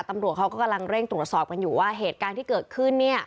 ตำรวจเขาก็กำลังเร่งตรวจสอบกันอยู่ว่าเหตุการณ์ที่เกิดขึ้นเนี่ย